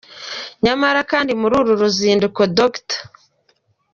Nyamara kandi muri uru ruzinduko Dr.